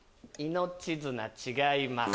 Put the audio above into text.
命綱違います。